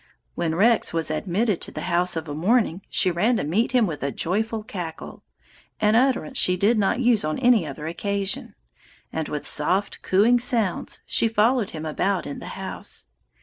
When Rex was admitted to the house of a morning, she ran to meet him with a joyful cackle, an utterance she did not use on any other occasion, and with soft cooing sounds she followed him about the house.